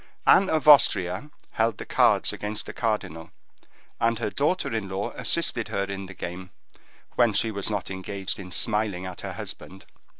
Anne of Austria held the cards against the cardinal, and her daughter in law assisted her in the game, when she was not engaged in smiling at her husband.